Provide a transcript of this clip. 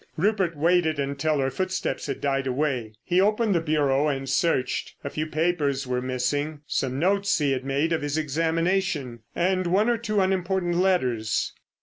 Rupert waited until her footsteps had died away. He opened the bureau and searched. A few papers were missing, some notes he had made of his examination, and one or two unimportant letters.